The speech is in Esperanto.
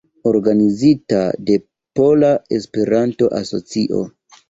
Organizita de Pola Esperanto-Asocio.